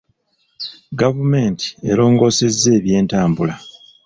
Gavumenti erongoosezza ebyentambula.